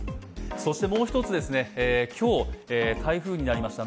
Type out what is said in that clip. そしてもう１つ、今日台風になりました